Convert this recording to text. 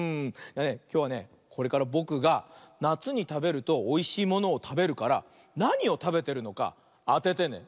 きょうはねこれからぼくがなつにたべるとおいしいものをたべるからなにをたべてるのかあててね。